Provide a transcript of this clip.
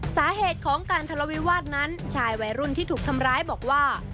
สาเหตุของการทะเลาวิวาสนั้นชายวัยรุ่นที่ถูกทำร้ายบอกว่า